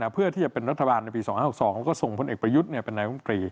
เพื่อที่จะเป็นรัฐบาลในปี๒๕๖๒แล้วก็ส่งพลเอกประยุทธ์เป็นนายกรมตรี